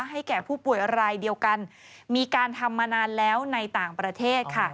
ให้แก่ผู้ป่วยรายเดียวกันมีการทำมานานแล้วในต่างประเทศค่ะ